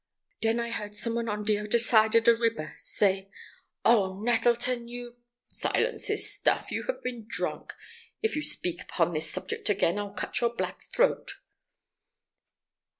Den I he'rd some one on de oder side ob de riber say, "Oh, Nettleton, you—" "Silence this stuff! You have been drunk. If you speak upon this subject again, I'll cut your black throat."